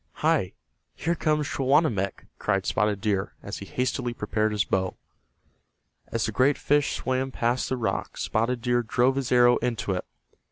"Hi, here comes Sehawanammek!" cried Spotted Deer, as he hastily prepared his bow. As the great fish swam past the rock Spotted Deer drove his arrow into it.